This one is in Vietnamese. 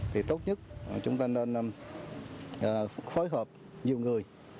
thì tốt nhất chúng ta nên phối hợp nhiều người